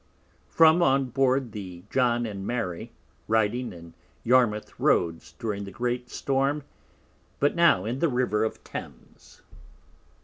From on board the John and Mary, riding in Yarmouth Roads during the great Storm, but now in the River of Thames.